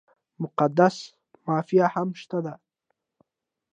مقدسه مافیا هم شته ده.